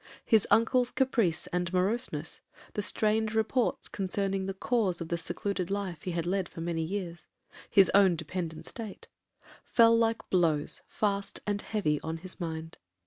His uncle's caprice and moroseness,—the strange reports concerning the cause of the secluded life he had led for many years,—his own dependent state,—fell like blows fast and heavy on his mind.